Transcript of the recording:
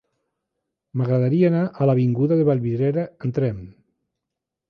M'agradaria anar a l'avinguda de Vallvidrera amb tren.